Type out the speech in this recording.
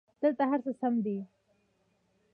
دلته هرڅه سم دي